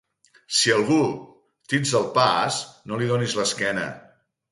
Si algú t'ix al pas, no li dones l'esquena